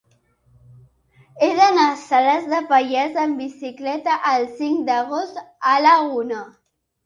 He d'anar a Salàs de Pallars amb bicicleta el cinc d'agost a la una.